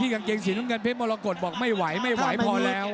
ที่กางเกงสีสุดหนึ่งกันเพชรมรกฎบอกไม่ไหวไม่ไหวพอแล้ว